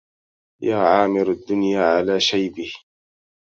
يا عامر الدنيا على شيبه